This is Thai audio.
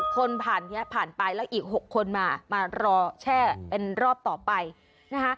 คนผ่านไปแล้วอีก๖คนมามารอแช่เป็นรอบต่อไปนะคะ